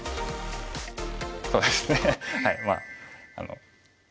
そうですねまあ。